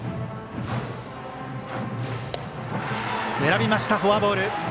選びました、フォアボール。